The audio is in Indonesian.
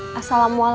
nanti setruk kamu ceng